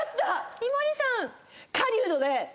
井森さん。